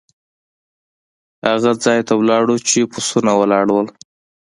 هغه ځای ته لاړو چې بسونه ولاړ وو.